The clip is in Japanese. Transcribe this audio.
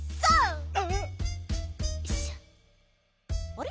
あれ？